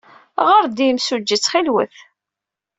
Ɣret-d i yimsujji, ttxil-wen.